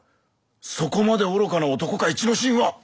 そこまで愚かな男か一之進は！